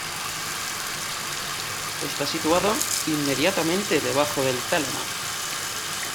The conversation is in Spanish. Está situado inmediatamente debajo del tálamo.